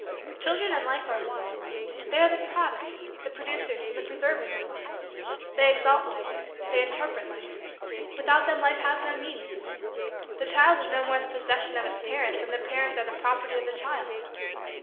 Children and Life are one. They are the product, the producers, and the preservers of Life. They exalt Life. They interpret Life. Without them Life has no meaning. The child is no more the possession of its parents than the parents are the property of the child.